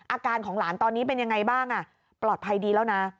อาการของหลานตอนนี้เป็นยังไงบ้างปลอดภัยดีแล้วนะ